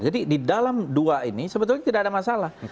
jadi di dalam dua ini sebetulnya tidak ada masalah